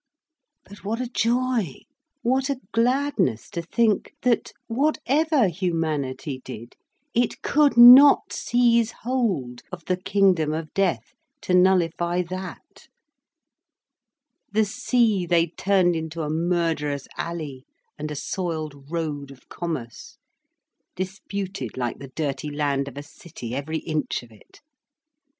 But what a joy! What a gladness to think that whatever humanity did, it could not seize hold of the kingdom of death, to nullify that. The sea they turned into a murderous alley and a soiled road of commerce, disputed like the dirty land of a city every inch of it.